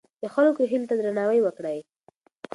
د خلکو هیلو ته درناوی وکړئ.